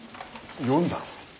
読んだの？